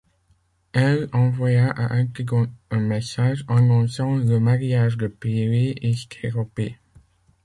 Elle envoya à Antigone un message, annonçant le mariage de Pélée et Stéropé.